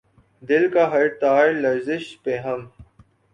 دل کا ہر تار لرزش پیہم